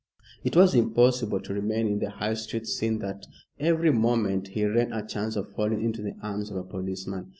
It was impossible to remain in the High Street, seeing that every moment he ran a chance of falling into the arms of a policeman.